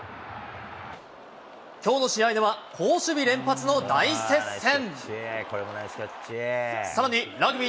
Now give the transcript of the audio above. きょうの試合では、好守備連発の大接戦。